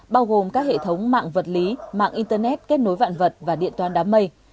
bao gồm các hệ thống mạng vật lý mạng internet kết nối vạn vật và điện toán đám mây